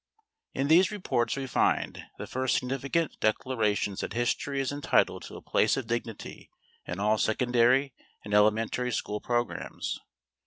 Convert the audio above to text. In these reports we find the first significant declarations that history is entitled to a place of dignity in all secondary and elementary school programs.